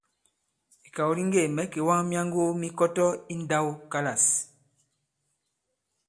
Ìkàw di ŋgê mɛ̌ kèwaŋ myaŋgo mi Kɔtɔ i ǹndãwkalâs.